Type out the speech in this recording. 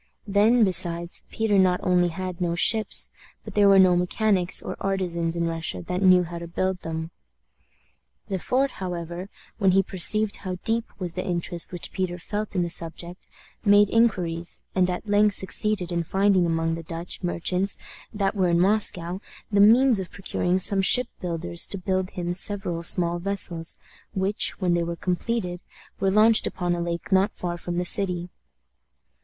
Then, besides, Peter not only had no ships, but there were no mechanics or artisans in Russia that knew how to build them. Le Fort, however, when he perceived how deep was the interest which Peter felt in the subject, made inquiries, and at length succeeded in finding among the Dutch merchants that were in Moscow the means of procuring some ship builders to build him several small vessels, which, when they were completed, were launched upon a lake not far from the city.